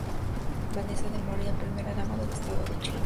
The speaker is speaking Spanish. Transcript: Vanessa De Moreira, Primera Dama del Estado de Coahuila.